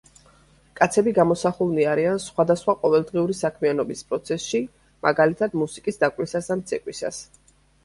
კაცები გამოსახულნი არიან სხვადასხვა ყოველდღიური საქმიანობის პროცესში, მაგალითად მუსიკის დაკვრისას ან ცეკვისას.